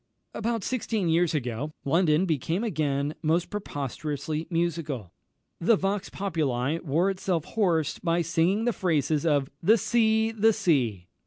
About sixteen years ago, London became again most preposterously musical. The vox populi wore itself hoarse by singing the praises of "The Sea, the Sea!"